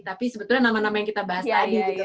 tapi sebetulnya nama nama yang kita bahas tadi gitu ya